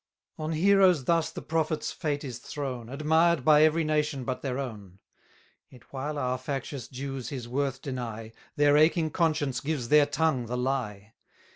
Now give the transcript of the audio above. On heroes thus the prophet's fate is thrown, Admired by every nation but their own; 630 Yet while our factious Jews his worth deny, Their aching conscience gives their tongue the lie.